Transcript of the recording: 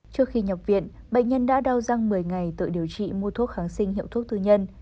trước khi nhập viện bệnh nhân đã đau răng một mươi ngày tự điều trị mua thuốc kháng sinh hiệu thuốc tư nhân